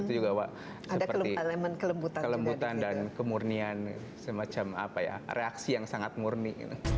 itu juga pak seperti kelembutan dan kemurnian semacam apa ya reaksi yang sangat murni